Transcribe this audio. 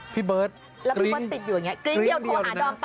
พี่เบิร์ตกริ้งเดี๋ยวโทรหาดอมปั๊บ